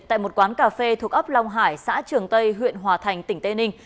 tại một quán cà phê thuộc ấp long hải xã trường tây huyện hòa thành tỉnh tây ninh